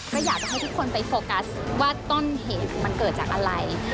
ก็อยากจะให้ทุกคนไปโฟกัสว่าต้นเหตุมันเกิดจากอะไร